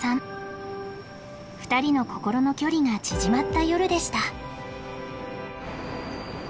２人の心の距離が縮まった夜でした